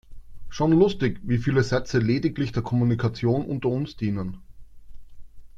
Schon lustig, wie viele Sätze lediglich der Kommunikation unter uns dienen.